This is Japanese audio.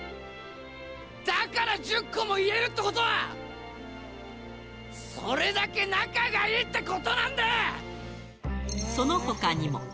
だから１０個も言えるってことは、それだけ仲がいいってことなんだそのほかにも。